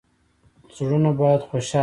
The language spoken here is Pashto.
زړونه باید خوشحاله شي